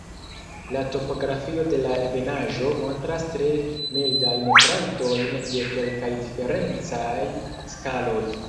La topografio de la ebenaĵo montras tre mildajn trajtojn je kelkaj diferencaj skaloj.